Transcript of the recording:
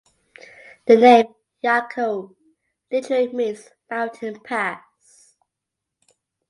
The name Yakou literally means "mountain pass".